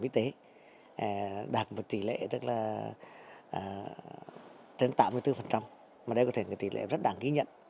y tế đạt một tỷ lệ tức là trên tám mươi bốn mà đây có thể là tỷ lệ rất đáng ghi nhận